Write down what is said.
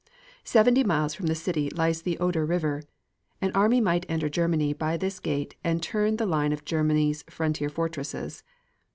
Seventy miles from the city lies the Oder River. An army might enter Germany by this gate and turn the line of Germany's frontier fortresses.